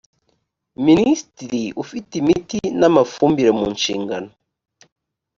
minisitiri ufite imiti n amafumbire mu nshingano